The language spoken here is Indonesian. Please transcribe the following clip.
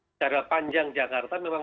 secara panjang jakarta memang